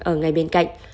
ở ngay bên cạnh